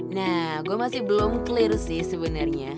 nah gue masih belum clear sih sebenarnya